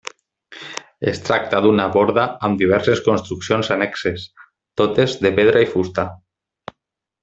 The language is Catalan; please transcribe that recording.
Es tracta d'una borda amb diverses construccions annexes, totes de pedra i fusta.